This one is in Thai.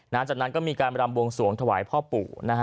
นานจากนั้นก็มีการรำบวงสวงถวายพ่อปู่